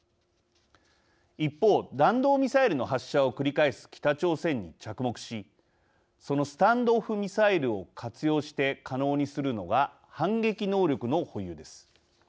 一方、弾道ミサイルの発射を繰り返す北朝鮮に着目しそのスタンド・オフ・ミサイルを活用して可能にするのが反撃能力の保有です。